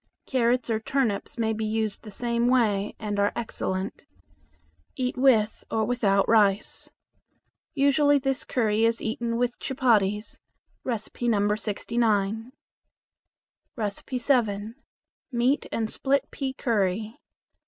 Carrots or turnips may be used the same way and are excellent. Eat with or without rice. Usually this curry is eaten with chupatties (No. 69). 7. Meat and Split Pea Curry.